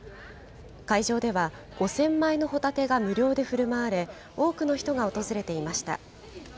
会場では、５０００枚のホタテが無料でふるまわれ、多くの人が訪れていました。